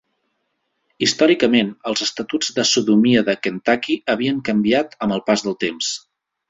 Històricament, els estatuts de sodomia de Kentucky havien canviat amb el pas del temps.